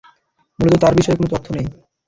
মুলত তার বিষয়ে কোনো তথ্য নেই।